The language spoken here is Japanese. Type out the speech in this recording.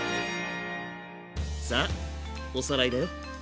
さあおさらいだよ。